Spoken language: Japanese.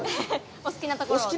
お好きなところを。